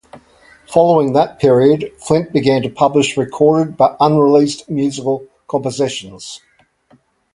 Following that period, Flynt began to publish recorded but unreleased musical compositions.